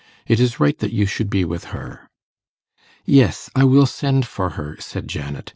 It is right that you should be with her.' 'Yes, I will send for her,' said Janet.